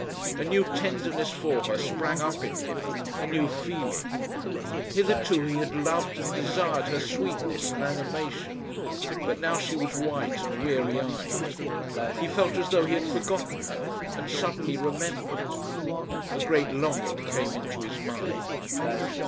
A new tenderness for her sprang up in him a new feeling. Hitherto he had loved and desired her sweetness and animation but now she was white and weary eyed. He felt as though he had forgotten her and suddenly remembered. A great longing came into his mind.